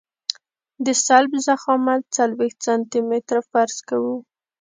د سلب ضخامت څلوېښت سانتي متره فرض کوو